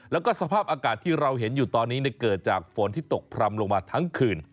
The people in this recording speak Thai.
แล้วก็สภาพอากาศที่เราเห็นอยู่ตอนนี้เกิดจากฝนที่ตกพร่ำลงมาทั้งคืน